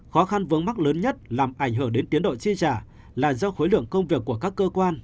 khó khăn vướng mắt lớn nhất làm ảnh hưởng đến tiến độ chi trả là do khối lượng công việc của các cơ quan